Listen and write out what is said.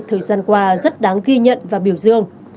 thời gian qua rất đáng ghi nhận và biểu dương